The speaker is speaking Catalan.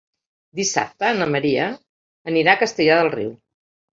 Dissabte na Maria anirà a Castellar del Riu.